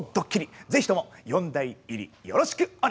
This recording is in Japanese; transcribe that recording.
ぜひとも四大入りよろしくお願いいたします。